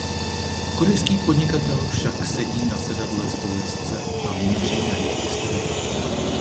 Korejský podnikatel však sedí na sedadle spolujezdce a míří na něj pistolí.